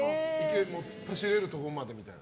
突っ走れるところまでみたいな？